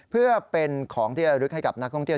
เพื่อเป็นของที่ระลึกให้กับนักท่องเที่ยว